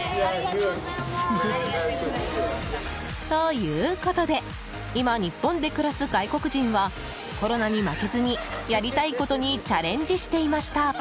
ということで今、日本で暮らす外国人はコロナに負けずにやりたいことにチャレンジしていました。